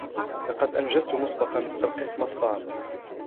لقد أنجزتُ مسبقاً القِسم الصعب.